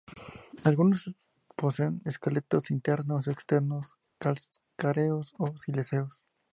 Algunos poseen esqueletos internos o externos calcáreos o silíceos.